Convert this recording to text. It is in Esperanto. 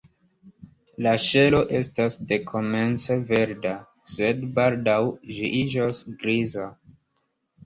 La ŝelo estas dekomence verda, sed baldaŭ ĝi iĝos griza.